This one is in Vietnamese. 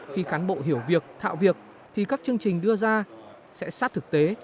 khi cán bộ hiểu việc thạo việc thì các chương trình đưa ra sẽ sát thực tế